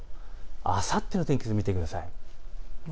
あさっての天気図を見てください。